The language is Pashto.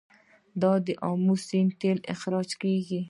آیا د امو سیند تیل استخراج کیږي؟